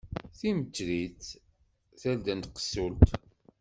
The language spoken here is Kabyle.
Timmetrit, tarda n tqessult.